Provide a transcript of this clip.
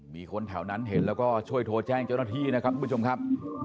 มีคนแถวนั้นเห็นแล้วก็ช่วยโทรแจ้งเจ้าหน้าที่นะครับทุกผู้ชมครับ